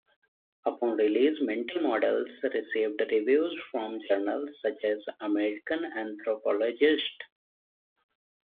Upon release, "Mental Models" received reviews from journals such as "American Anthropologist".